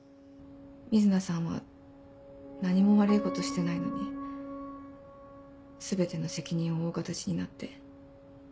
瑞奈さんは何も悪いことしてないのに全ての責任を負う形になって。